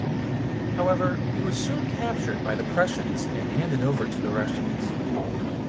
However, he was soon captured by the Prussians and handed over to the Russians.